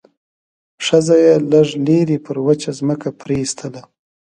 ښځه يې لږ لرې پر وچه ځمکه پرېيستله.